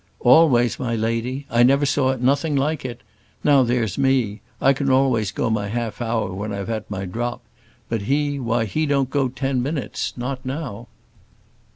"Always, my lady. I never saw nothing like it. Now, there's me I can always go my half hour when I've had my drop; but he, why, he don't go ten minutes, not now."